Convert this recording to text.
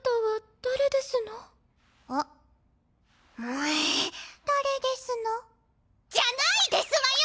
「誰ですの？」じゃないですわよ！